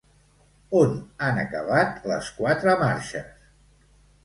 On han acabat les quatre marxes?